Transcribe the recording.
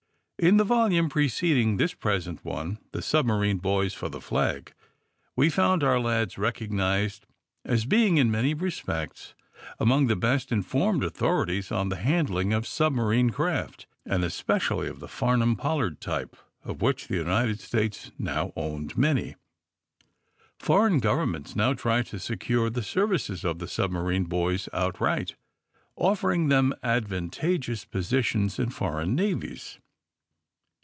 In the volume preceding this present one, AND THE SMUGGLEES 4? The Submarine Boys for the Flag, " we found our lads recognized as being, in many respects, among tlie best informed authorities on the handling of submarine craft, and especially of the Farnum Pollard type, of which the United States now owned many. Foreign govern ments now tried to secure the services of the submarine boys outright, offering them advan tageous positions in foreign navies.